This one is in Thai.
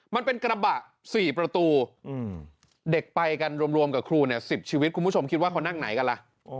มันเป็นกระบะ๔ประตูเด็กไปกันรวมกับครูเนี่ย๑๐ชีวิตคุณผู้ชมคิดว่าเขานั่งไหนกันล่ะ